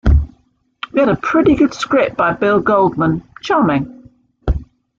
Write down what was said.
We had a pretty good script by Bill Goldman, charming.